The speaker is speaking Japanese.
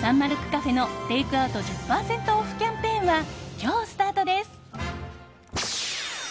サンマルクカフェのテイクアウト１０％オフキャンペーンは今日スタートです！